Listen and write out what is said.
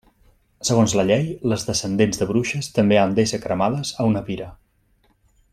Segons la llei, les descendents de bruixes també han d'ésser cremades a una pira.